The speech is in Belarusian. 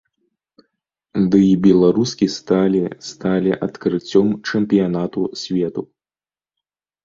Дый беларускі сталі сталі адкрыццём чэмпіянату свету.